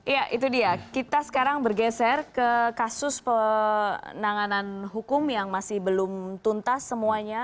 ya itu dia kita sekarang bergeser ke kasus penanganan hukum yang masih belum tuntas semuanya